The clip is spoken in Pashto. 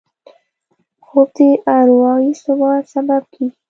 خوب د اروايي ثبات سبب کېږي